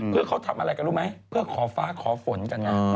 เพื่อเขาทำอะไรกันรู้ไหมเพื่อขอฟ้าขอฝนกันไง